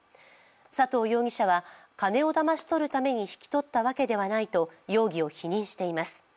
佐藤容疑者は金をだまし取るために引き取ったわけてはないと容疑を否認しています。